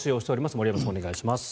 森山さん、お願いします。